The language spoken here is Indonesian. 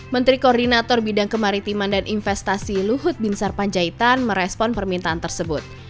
menteri koordinator bidang kemaritiman dan investasi luhut bin sarpanjaitan merespon permintaan tersebut